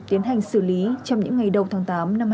tiến hành xử lý trong những ngày đầu tháng tám năm hai nghìn hai mươi